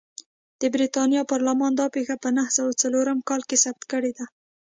د برېټانیا پارلمان دا پېښه په نهه سوه څلورم کال کې ثبت کړې ده.